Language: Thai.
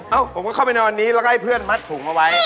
ผมก็เข้าไปนอนนี้แล้วก็ให้เพื่อนมัดถุงเอาไว้